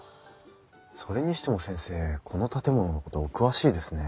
それにしても先生この建物のことお詳しいですね？